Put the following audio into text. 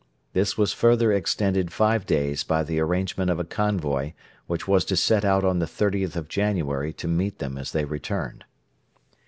This was further extended five days by the arrangement of a convoy which was to set out on the 30th of January to meet them as they returned.